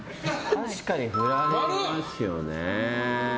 確かにフラれますよね。